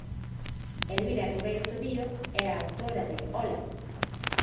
Elvira Ribeiro Tobío é a autora de Ola!